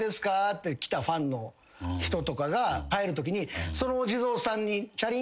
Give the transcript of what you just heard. って来たファンの人とかが帰るときにその。